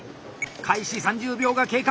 開始３０秒が経過。